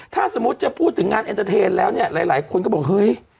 ถ้าสมมุติจะพูดถึงงานเอ็นเตอร์เทนแล้วเนี่ยหลายคนก็บอกเฮ้ย